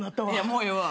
もうええわ。